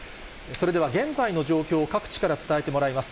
それでは現在の状況を各地から伝えてもらいます。